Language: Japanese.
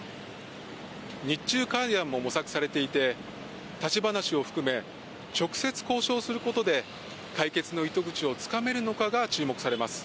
日中会談も模索されていて、立ち話を含め、直接交渉することで解決の糸口がつかめるのかが注目されます。